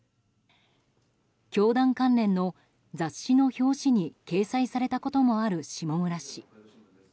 教団関連の雑誌の表紙に掲載されたこともある下村氏。